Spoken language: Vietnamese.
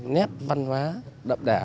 nét văn hóa đậm đà